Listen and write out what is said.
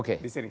iya di sini